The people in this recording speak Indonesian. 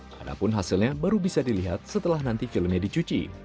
padahal hasilnya baru bisa dilihat setelah nanti filmnya dicuci